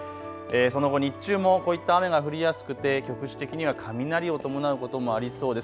その後日中もこういった雨が降りやすくて局地的には雷を伴うこともありそうです。